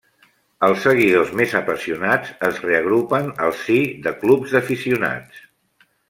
Els seguidors més apassionats es reagrupen al si de clubs d'aficionats.